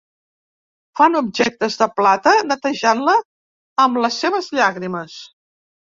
Fan objectes de plata netejant-la amb les seves llàgrimes.